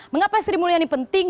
mengapa sri mulyani penting